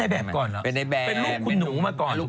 เป็นทางกลุ่มน้อยเบบก่อนก็เป็นหนูมาก่อน